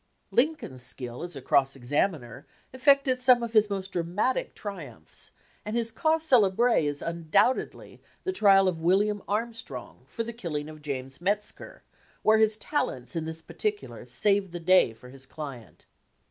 Lincoln's skill as a cross examiner effected some of his most dramatic triumphs, and his cause celebre is undoubtedly the trial of William Armstrong for the killing of James Metzker, where his talents in this particular saved the day for his client.